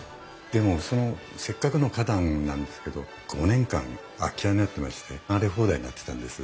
でもそのせっかくの花壇なんですけど５年間空き家になってまして荒れ放題になってたんです。